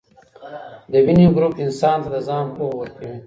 دویني ګروپ انسان ته د ځان پوهه ورکوي.